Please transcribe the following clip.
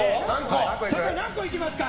酒井、何個いきますか？